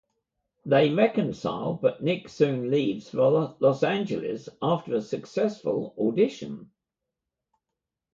They reconcile but Nick soon leaves for Los Angeles after a successful audition.